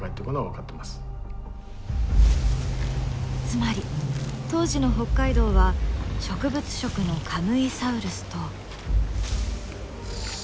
つまり当時の北海道は植物食のカムイサウルスと。